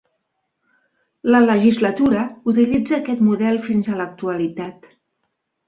La legislatura utilitza aquest model fins a l'actualitat.